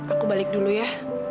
aku balik dulu ya